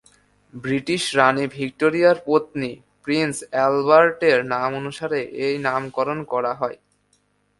British রাণী ভিক্টোরিয়ার পত্নী প্রিন্স অ্যালবার্টের নামানুসারে এই নামকরণ করা হয়।